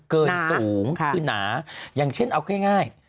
เกินสูงคือหนาอย่างเช่นเอาง่าย